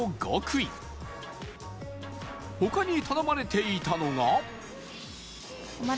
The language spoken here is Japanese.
他に頼まれていたのが